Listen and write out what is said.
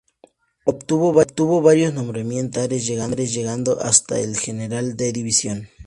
Obtuvo varios nombramientos militares llegando hasta el de "General de División".